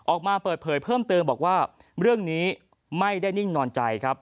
ออกมาเปิดเผยเพิ่มเติมบอกว่าเรื่องนี้ไม่ได้นิ่งนอนใจครับ